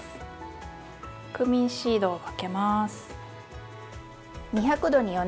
クミンシードをかけます。